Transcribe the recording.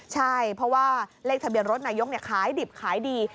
ใช่เพราะว่าเลขทะเบียนรถนายกขายดิบขายดี